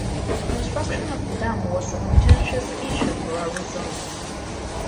Construction of the dam was a contentious issue for Arizona.